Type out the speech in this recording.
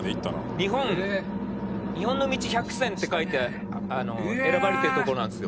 「日本日本の道１００選って書いて選ばれてるとこなんですよ